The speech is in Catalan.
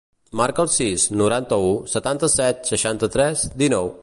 Marca el sis, noranta-u, setanta-set, seixanta-tres, dinou.